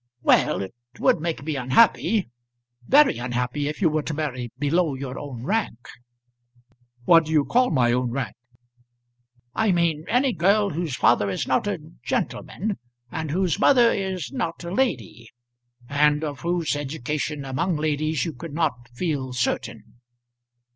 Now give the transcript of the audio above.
"Well; it would make me unhappy very unhappy if you were to marry below your own rank." "What do you call my own rank?" "I mean any girl whose father is not a gentleman, and whose mother is not a lady; and of whose education among ladies you could not feel certain."